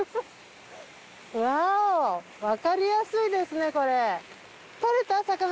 ワオわかりやすいですねこれ。